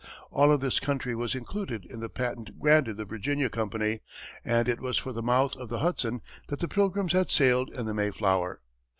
All of this country was included in the patent granted the Virginia Company, and it was for the mouth of the Hudson that the Pilgrims had sailed in the Mayflower.